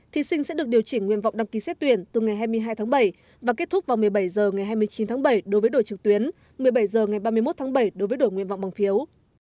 thí sinh sẽ được điều chỉnh nguyện vọng đăng ký xét tuyển từ ngày hai mươi hai tháng bảy và kết thúc vào một mươi bảy h ngày hai mươi chín tháng bảy đối với đội trực tuyến một mươi bảy h ngày ba mươi một tháng bảy đối với đội nguyện vọng bằng phiếu